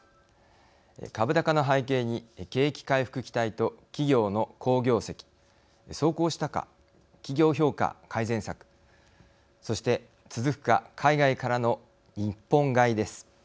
株高の背景に景気回復期待と企業の好業績奏功したか企業評価改善策そして続くか海外からの日本買いです。